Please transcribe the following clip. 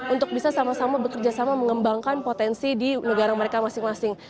untuk bisa sama sama bekerja sama mengembangkan potensi di negara mereka masing masing